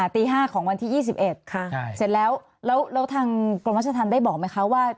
ตี๕ของวันที่๒๑เสร็จแล้วแล้วทางกรมราชธรรมได้บอกไหมคะว่า